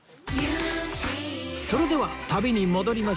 それでは旅に戻りましょう